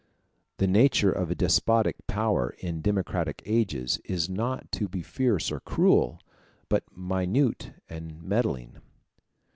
The nature of despotic power in democratic ages is not to be fierce or cruel, but minute and meddling.